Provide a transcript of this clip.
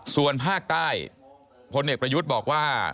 ส่วนภาคใต้พลเอกประยุทธ์บอกว่า